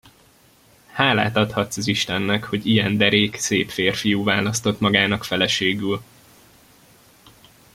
Hálát adhatsz az istennek, hogy ilyen derék, szép férfiú választott magának feleségül.